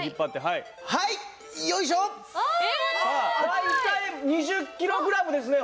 大体２０ｋｇですね